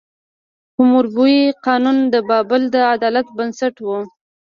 حموربي قانون د بابل د عدالت بنسټ و.